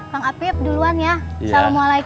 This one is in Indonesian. kang apip duluan ya